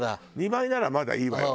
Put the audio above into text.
２倍ならまだいいわよ。